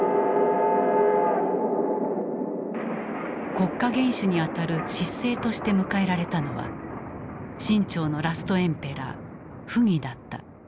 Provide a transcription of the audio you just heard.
国家元首にあたる執政として迎えられたのは清朝のラストエンペラー溥儀だった。